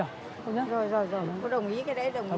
rồi rồi rồi cô đồng ý cái đấy đồng ý